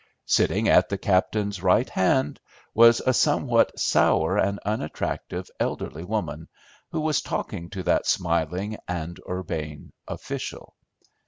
Sitting at the captain's right hand was a somewhat sour and unattractive elderly woman, who was talking to that smiling and urbane official.